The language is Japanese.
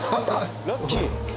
ラッキー。